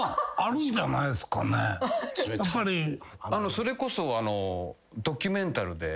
それこそ。